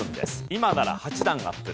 今なら８段アップ。